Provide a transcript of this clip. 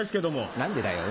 何でだよ。